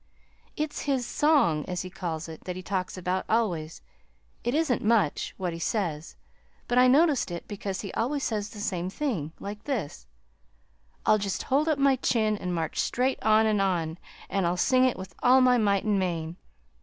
"It's 'his song,' as he calls it, that he talks about, always. It isn't much what he says but I noticed it because he always says the same thing, like this: I'll just hold up my chin and march straight on and on, and I'll sing it with all my might and main.'